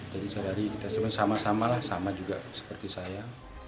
jadi sehari hari kita sama sama lah sama juga seperti saya